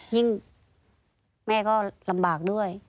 ยิ่งแม่ก็ลำบากด้วย